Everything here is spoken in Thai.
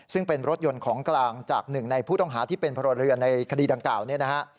ซึ่งเป็นรถยนต์ของกลางจากหนึ่งในผู้ต้องหาที่เป็นพลเรือนในคดีดังกล่าวเนี่ยนะฮะ